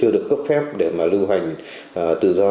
được cấp phép để mà lưu hành tự do